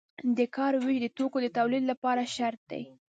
د کار ویش د توکو د تولید لپاره شرط دی.